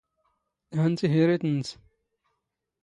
ⵀⴰ ⵏⵏ ⵜⵉⵀⵉⵔⵉⵜ ⵏⵏⵙ.